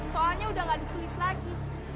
soalnya udah gak disulis lagi